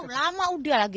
lama udah lagi